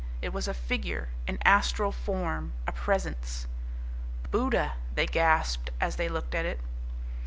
It was a figure, an astral form, a presence. "Buddha!" they gasped as they looked at it.